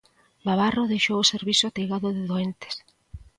Babarro deixou o servizo ateigado de doentes.